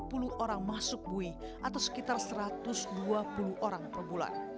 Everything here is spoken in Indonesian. sepuluh orang masuk bui atau sekitar satu ratus dua puluh orang per bulan